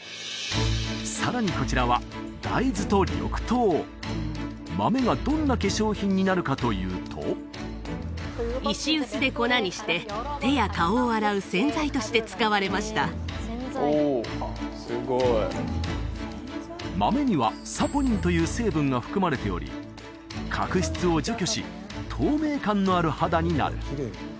さらにこちらは大豆と緑豆豆がどんな化粧品になるかというととして使われましたおすごい豆にはサポニンという成分が含まれており角質を除去し透明感のある肌になる